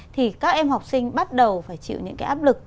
thì các em học sinh bắt đầu phải chịu những cái áp lực